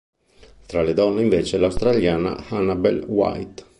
Tra le donne, invece, l'australiana Annabel White.